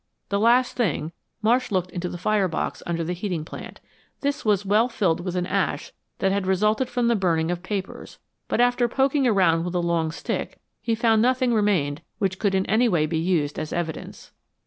The last thing, Marsh looked into the firebox under the heating plant. This was well filled with an ash that had resulted from the burning of papers, but after poking around with a long stick, he found that nothing remained which could in any way be used as evidence.